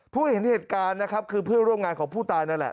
เห็นเหตุการณ์นะครับคือเพื่อนร่วมงานของผู้ตายนั่นแหละ